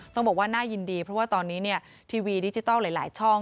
ต้องบอกว่าน่ายินดีเพราะว่าตอนนี้ทีวีดิจิทัลหลายช่อง